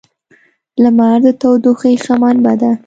• لمر د تودوخې ښه منبع ده.